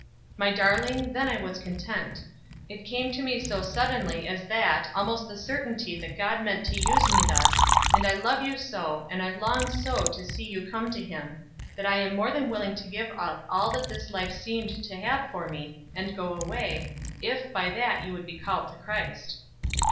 My darling, then I was content; it came to me so suddenly as that almost the certainty that God meant to use me thus, and I love you so, and I long so to see you come to him, that I am more than willing to give up all that this life seemed to have for me, and go away, if by that you would be called to Christ.